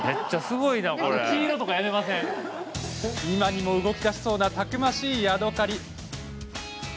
今にも動きだしそうなたくましいヤドカリ。